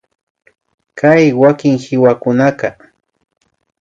Kay wakin kiwakunaka